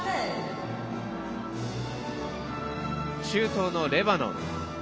中東のレバノン。